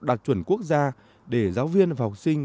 đạt chuẩn quốc gia để giáo viên và học sinh